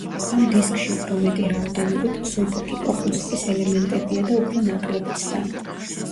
ამ დისკში უფრო მეტი რაოდენობით მსუბუქი, პოპ-მუსიკის ელემენტებია და უფრო ნაკლები ცდა.